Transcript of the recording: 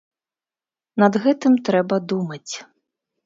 Над гэтым трэба думаць.